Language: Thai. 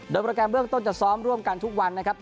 โดยโปรแกรมเบื้องต้นจะซ้อมร่วมกันทุกวันนะครับ